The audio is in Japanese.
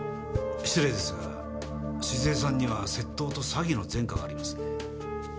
失礼ですが静江さんには窃盗と詐欺の前科がありますね？